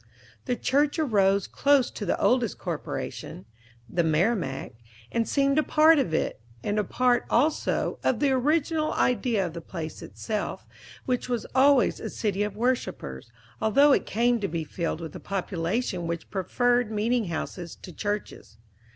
The church arose close to the oldest corporation (the "Merrimack"), and seemed a part of it, and a part, also, of the original idea of the place itself, which was always a city of worshipers, although it came to be filled with a population which preferred meeting houses to churches.